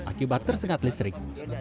akibat tersengat listrik